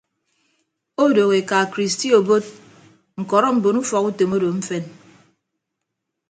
Odooho eka kristi obot ñkọrọ mbon ufọkutom odo mfen.